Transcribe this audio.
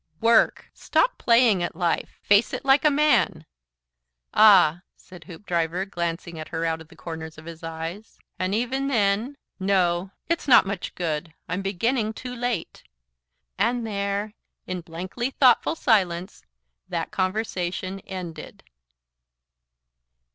"WORK. Stop playing at life. Face it like a man." "Ah!" said Hoopdriver, glancing at her out of the corners of his eyes. "And even then " "No! It's not much good. I'm beginning too late." And there, in blankly thoughtful silence, that conversation ended.